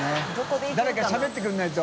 しゃべってくれないと。